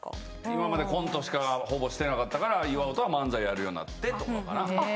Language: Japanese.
今までコントしかほぼしてなかったから岩尾とは漫才やるようになってとかかな。